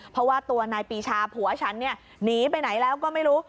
เพราะว่าตัวนายปีชาผัวฉันเนี่ยหนีไปไหนแล้วก็ไม่รู้